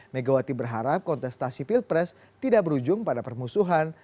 megawati berharap kontestasi pilpres tidak berujung pada permusuhan